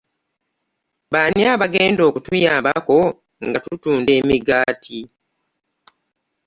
Baani abagenda okutuyambako nga tutunda emigaati.